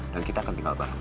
dan kita akan tinggal bareng